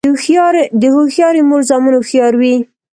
د هوښیارې مور زامن هوښیار وي.